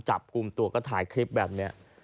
จับกลุ่มตัวก็ถ่ายคลิปแบบนี้